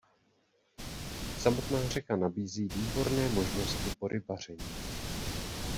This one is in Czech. Samotná řeka nabízí výborné možnosti po rybaření.